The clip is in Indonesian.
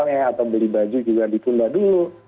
jalan jalan yang di baju juga ditunda dulu